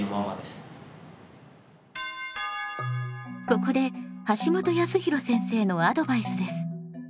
ここで橋本康弘先生のアドバイスです。